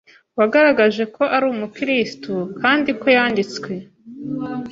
wagaragaje ko ari umukirisitu kandi ko yanditswe